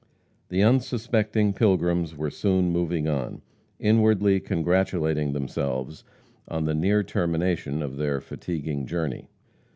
The unsuspecting pilgrims were soon moving on, inwardly congratulating themselves on the near termination of their fatiguing journey.